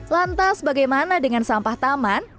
lantas bagaimana dengan sampah taman